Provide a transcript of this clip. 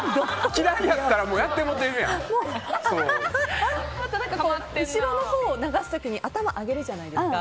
嫌いって言う前に後ろのほうを流す時に頭を上げるじゃないですか。